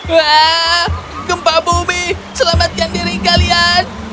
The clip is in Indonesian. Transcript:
wah gempa bumi selamatkan diri kalian